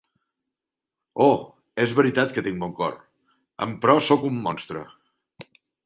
Oh és veritat que tinc bon cor, emperò sóc un monstre!